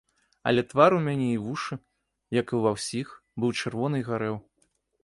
Але твар у мяне і вушы, як і ўва ўсіх, быў чырвоны і гарэў.